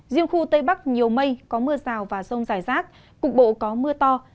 riêng khu tây bắc nhiều mây có mưa rào và rông rải rác cục bộ có mưa to